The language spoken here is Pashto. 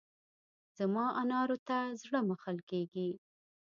زما انارو ته زړه مښل کېږي.